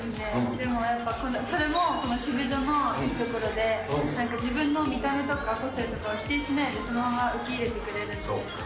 でもやっぱ、それもこのシブジョのいいところで、なんか自分の見た目とか、個性とかを否定しないで、そのまま受け入れてくれるんです。